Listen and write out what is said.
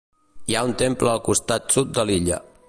Hi ha un temple al costat sud de l'illa.